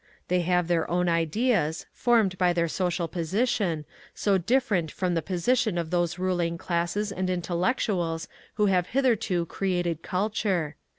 They have their own ideas, formed by their social position, so different from the position of those ruling classes and intellectuals who have hitherto created culture.